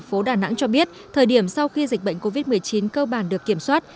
phố đà nẵng cho biết thời điểm sau khi dịch bệnh covid một mươi chín cơ bản được kiểm soát